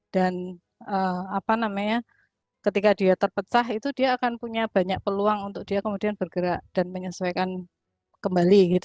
dan ketika dia terpecah dia akan punya banyak peluang untuk bergerak dan menyesuaikan kembali